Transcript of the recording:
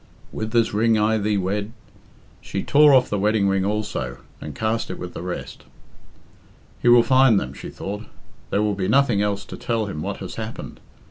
"With this ring I thee wed " She tore off the wedding ring also, and cast it with the rest. "He will find them," she thought. "There will be nothing else to tell him what has happened.